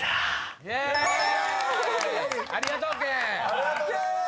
ありがとうございます！